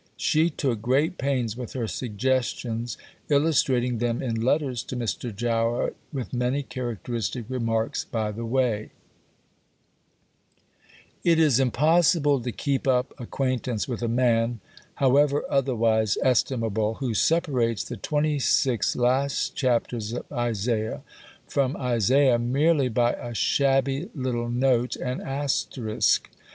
She took great pains with her suggestions, illustrating them in letters to Mr. Jowett with many characteristic remarks by the way: It is impossible to keep up acquaintance with a man, however otherwise estimable, who separates the 26 last chapters of Isaiah from Isaiah merely by a shabby little note and asterisk.